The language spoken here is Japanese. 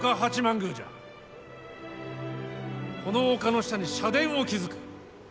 この丘の下に社殿を築く。